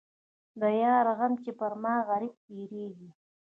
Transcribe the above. د یار غمه چې پر ما غريب تېرېږي.